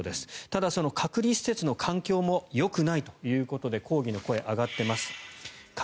ただ、その隔離施設の環境もよくないということで抗議の声が上がっています。